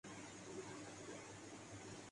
بھری معلوم ہوتی تھی ۔